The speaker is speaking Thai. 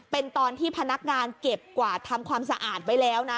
เป็นตอนที่พนักงานเก็บกวาดทำความสะอาดไว้แล้วนะ